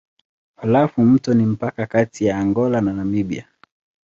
Halafu mto ni mpaka kati ya Angola na Namibia.